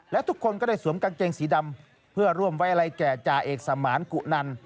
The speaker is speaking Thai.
และทุกคนก็ได้สวมกางเกงสีดำเพื่อร่วมไว้อะไรแก่จ่าเอกสมานกุนัน